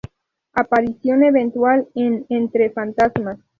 Aparición eventual en "Entre fantasmas".